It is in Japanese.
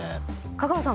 香川さん